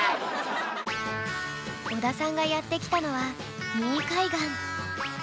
小田さんがやって来たのは新居海岸。